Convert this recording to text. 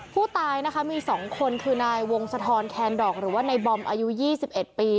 ผู้ตายนะคะมีสองคนคือนายวงสะทอนแคนดอกหรือว่าในบอมอายุยี่สิบเอ็ดปี